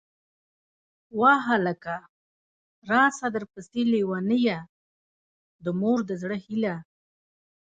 واه هلکه!!! راسه درپسې لېونۍ يه ، د مور د زړه هيلهٔ